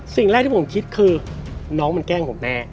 สิ่งแรกที่ผมคิดคือน้องมันแกล้งผมแน่